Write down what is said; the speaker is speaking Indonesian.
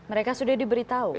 mereka sudah diberitahu